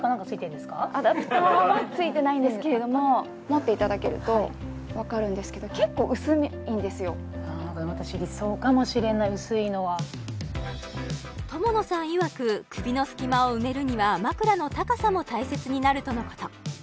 アダプターはついてないんですけれども持っていただけるとわかるんですけど友野さんいわく首の隙間を埋めるには枕の高さも大切になるとのこと